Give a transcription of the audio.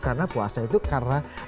karena puasa itu karena